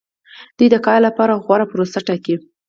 دوی د کار لپاره غوره پروسه ټاکي.